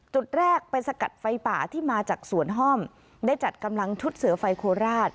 จุดแรกเป็นสกัดไฟป่าที่มาจากสวนห้อมได้จัดกำลังชุดเสือไฟโคราช